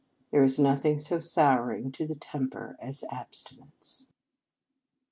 There is nothing so souring to the temper as abstinence.